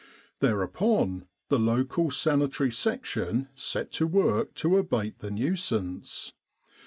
Thereupon the local Sanitary Section set to work to abate the nuisance.